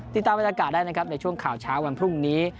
ติดตามบรรยากาศได้นะครับในช่วงข่าวเช้าวันพรุ่งนี้